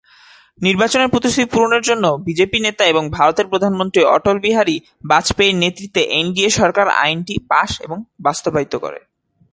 নির্বাচনের প্রতিশ্রুতি পূরণের জন্য বিজেপি নেতা এবং ভারতের প্রধানমন্ত্রী অটল বিহারী বাজপেয়ীর নেতৃত্বে এনডিএ সরকার আইনটি পাশ এবং বাস্তবায়িত করে।